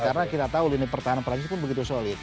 karena kita tahu lini pertahanan perancis pun begitu solid